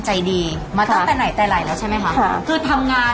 จากรับค่าราชการ